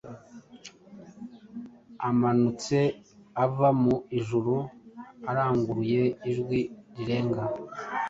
amanutse ava mu ijuru, aranguruye ijwi rirenga,